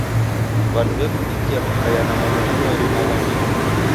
W'andu w'ekundikia kukaia na momu ghumweri na ghwa ndighi.